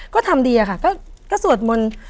ก็ทำดีอะค่ะก็สวดมนต์